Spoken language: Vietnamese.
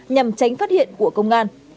nhằm tránh phát hiện của công an